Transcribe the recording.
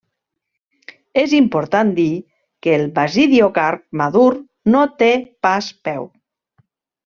És important dir que el basidiocarp madur no té pas peu.